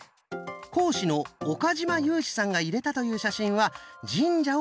講師の岡嶋裕史さんが入れたという写真は神社を写したもの。